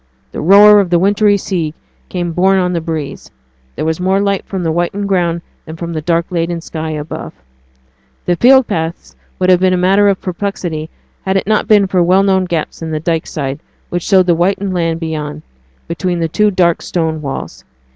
The roar of the wintry sea came borne on the breeze; there was more light from the whitened ground than from the dark laden sky above. The field paths would have been a matter of perplexity, had it not been for the well known gaps in the dyke side, which showed the whitened land beyond, between the two dark stone walls.